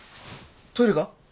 トイレか？